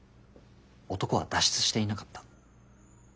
男は脱出していなかった。